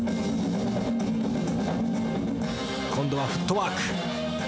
今度はフットワーク。